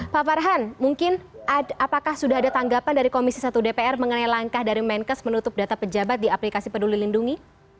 pak farhan mungkin apakah sudah ada tanggapan dari komisi satu dpr mengenai langkah dari menkes menutup data pejabat di aplikasi peduli lindungi